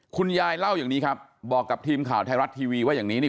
คุณยายเล่าอย่างนี้ครับบอกกับทีมข่าวไทยรัฐทีวีว่าอย่างนี้นี่